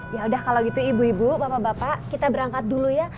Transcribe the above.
ya udah kalau gitu ibu ibu bapak bapak kita berangkat dulu ya